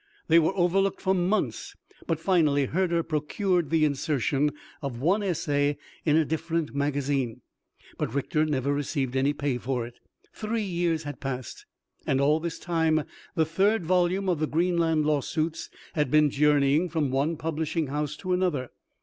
They were overlooked for months; but finally Herder procured the insertion of one essay in a different magazine, but Richter never received any pay for it. Three years had passed, and all this time the third volume of the "Greenland Lawsuits" had been journeying from one publishing house to another.